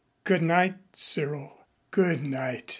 Good night, Cyril." "Good night."